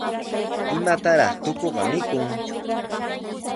¿Imataraq tukuqa mikun?